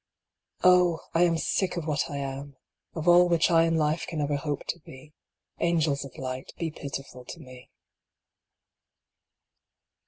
" Oh ! I am sick of what I am. Of all Which I in life can ever hope to be. Angels of light be pitiful to me."